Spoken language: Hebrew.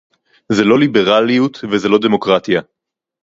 זה לא ליברליות וזה לא דמוקרטיה